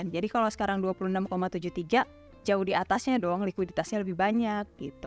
jadi kalau sekarang dua puluh enam tujuh puluh tiga jauh di atasnya dong likuiditasnya lebih banyak gitu